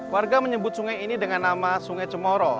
warga menyebut sungai ini dengan nama sungai cemoro